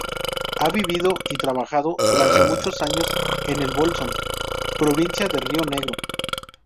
Ha vivido y trabajado durante muchos años en El Bolsón, provincia de Río Negro.